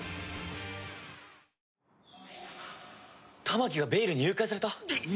玉置がベイルに誘拐された？